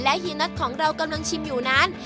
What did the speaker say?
เฮียน็อตของเรากำลังชิมอยู่นั้น